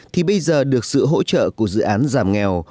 thì bây giờ được sự hỗ trợ của dự án giảm nghèo